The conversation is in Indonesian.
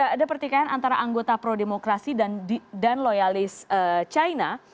ada pertikaian antara anggota pro demokrasi dan loyalis china